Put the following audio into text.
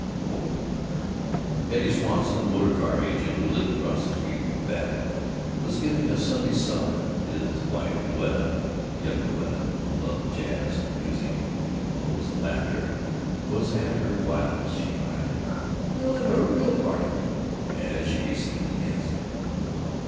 IV Eddie Swanson, the motor car agent who lived across the street from Babbitt, was giving a Sunday supper. His wife Louetta, young Louetta who loved jazz in music and in clothes and laughter, was at her wildest. She cried, "We'll have a real party!" as she received the guests.